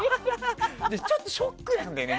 ちょっとショックなんだよね